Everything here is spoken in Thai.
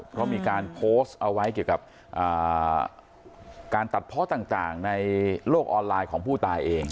เพราะมีการโพสต์เอาไว้เกี่ยวกับการตัดเพาะต่างในโลกออนไลน์ของผู้ตายเอง